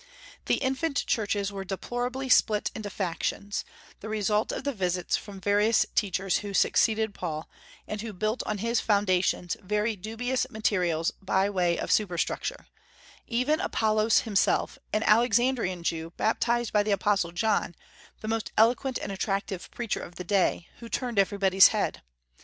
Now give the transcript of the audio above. The infant churches were deplorably split into factions, "the result of the visits from various teachers who succeeded Paul, and who built on his foundations very dubious materials by way of superstructure," even Apollos himself, an Alexandrian Jew baptized by the Apostle John, the most eloquent and attractive preacher of the day, who turned everybody's head.